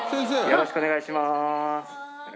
よろしくお願いします。